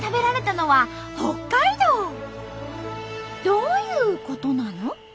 どういうことなの？